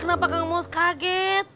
kenapa kang mus kaget